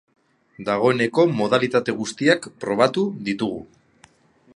Dagoeneko modalitate guztiak probatu ditugu.